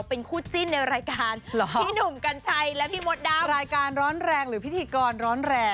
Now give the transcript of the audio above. เป็นคู่จิ้นในรายการพี่หนุ่มกัญชัยและพี่มดดำรายการร้อนแรงหรือพิธีกรร้อนแรง